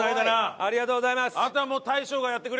ありがとうございます！